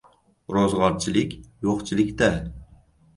Ro‘zg‘orchilik — yo‘qchilik- da.